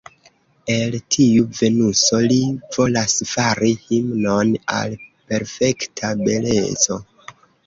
El tiu Venuso li volas fari himnon al perfekta beleco.